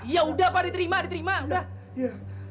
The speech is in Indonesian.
ya udah pak diterima diterima udah